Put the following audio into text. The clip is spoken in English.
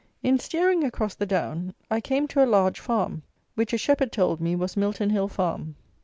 In steering across the down, I came to a large farm, which a shepherd told me was Milton Hill Farm.